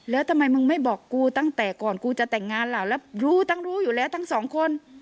แล้วทำไมมึงไม่บอกกูตั้งแต่ก่อนกูจะแต่งงานล่ะแล้วรู้ทั้งรู้อยู่แล้วทั้งสองคน